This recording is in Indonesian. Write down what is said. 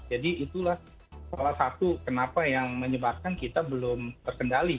jadi itulah salah satu kenapa yang menyebabkan kita belum terkendali